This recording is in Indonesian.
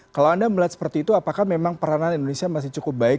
kalau anda melihat seperti itu apakah memang peranan indonesia masih cukup baik